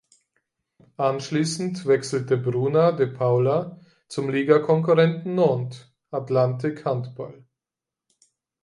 Anschließend wechselte Bruna de Paula zum Ligakonkurrenten Nantes Atlantique Handball.